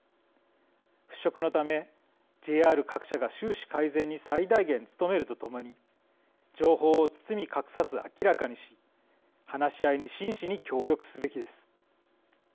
払拭のためＪＲ各社が収支改善に最大限、努めるとともに情報を包み隠さず明らかにし話し合いに真摯に協力すべきです。